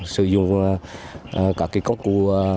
sử dụng các công cụ